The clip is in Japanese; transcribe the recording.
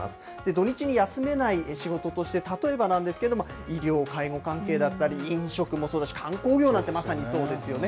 土日に休めない仕事として、例えばなんですけれども、医療・介護関係だったり、飲食もそうだし、観光業なんて、まさにそうですよね。